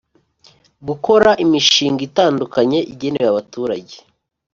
gukora imishinga itandukanye igenewe abaturage